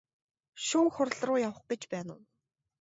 Шүүх хуралруу явах гэж байна уу?